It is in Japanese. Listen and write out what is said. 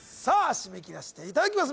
締め切らせていただきます